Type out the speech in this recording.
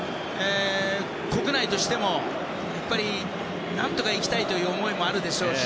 国内としても、何とかいきたいという思いもあるでしょうし。